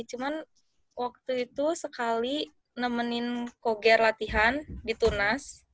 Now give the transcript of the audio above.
cuman waktu itu sekali nemenin koger latihan di tunas